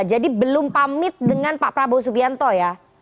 jadi belum pamit dengan pak prabowo subianto ya